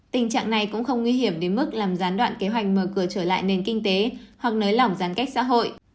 tình trạng này cũng không nguy hiểm đến mức làm gián đoạn kế hoạch mở cửa trở lại nền kinh tế hoặc nới lỏng giãn cách xã hội